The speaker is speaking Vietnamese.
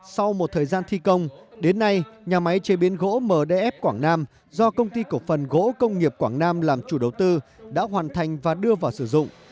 sau một thời gian thi công đến nay nhà máy chế biến gỗ mdf quảng nam do công ty cổ phần gỗ công nghiệp quảng nam làm chủ đầu tư đã hoàn thành và đưa vào sử dụng